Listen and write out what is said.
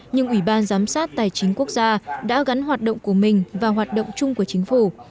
nhưng ủy ban giám sát tài chính quốc gia đã gắn hoạt động của mình và hoạt động chung của chính phủ